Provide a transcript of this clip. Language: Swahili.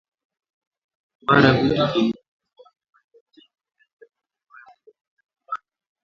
Kuhara vitu vyenye majimaji yaliyochanganyika na damuambayo hutoa harufu mbaya